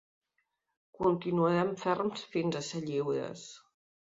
Continuarem ferms fins a ser lliures!